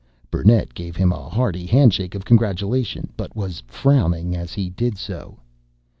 Burnett gave him a hearty handshake of congratulation ... but was frowning as he did so.